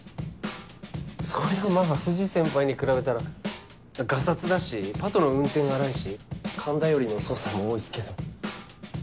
そりゃまぁ藤先輩に比べたらガサツだしパトの運転が荒いし勘頼りの捜査も多いっすけど。